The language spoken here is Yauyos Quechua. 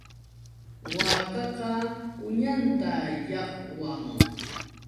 Waakaqa uñanta llaqwan.